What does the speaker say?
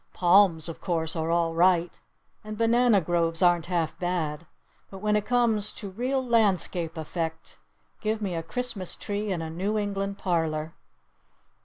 Palms, of course, are all right, and banana groves aren't half bad! But when it comes to real landscape effect give me a Christmas tree in a New England parlor!"